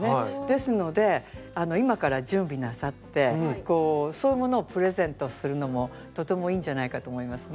ですので今から準備なさってそういうものをプレゼントするのもとてもいいんじゃないかと思いますね。